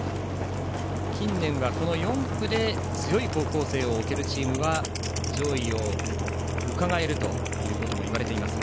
近年は４区で強い高校生を置けるチームが上位をうかがえるといわれていますが。